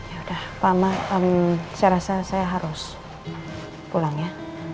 yaudah pak amar saya rasa saya harus pulang ya